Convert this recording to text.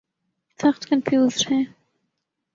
سخت کنفیوزڈ ہیں۔